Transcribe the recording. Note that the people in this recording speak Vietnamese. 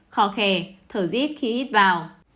khó khè thở dít khi hít vào